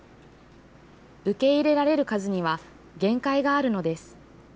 受け入れられる数には限界があるのです。